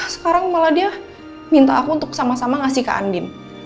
sekarang malah dia minta aku untuk sama sama ngasih ke andin